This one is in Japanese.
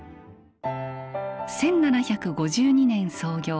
１７５２年創業。